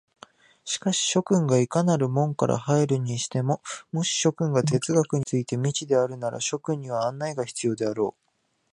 しかし諸君がいかなる門から入るにしても、もし諸君が哲学について未知であるなら、諸君には案内が必要であろう。